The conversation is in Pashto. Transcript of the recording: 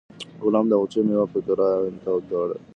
غلام د باغچې میوه فقیرانو ته خیرات کړه.